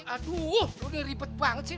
aduh lu ini ribet banget sih